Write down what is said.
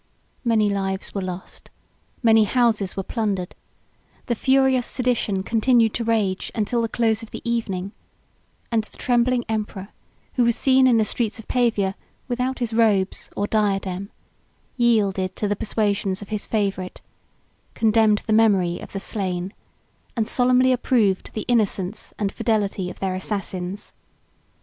Many lives were lost; many houses were plundered; the furious sedition continued to rage till the close of the evening; and the trembling emperor, who was seen in the streets of Pavia without his robes or diadem, yielded to the persuasions of his favorite; condemned the memory of the slain; and solemnly approved the innocence and fidelity of their assassins.